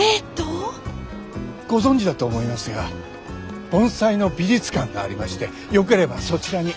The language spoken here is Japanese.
ご存じだと思いますが盆栽の美術館がありましてよければそちらに。